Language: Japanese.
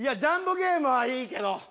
ジャンボゲームはいいけど。